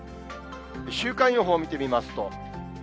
週間予報見てみますと。